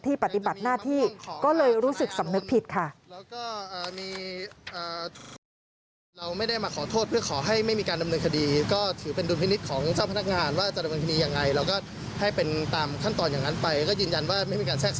ปฏิบัติหน้าที่ก็เลยรู้สึกสำนึกผิดค่ะ